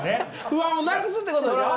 不安をなくすってことでしょ？